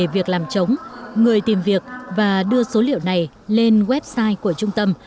việc làm chống người tìm việc và đưa số liệu này lên website của trung tâm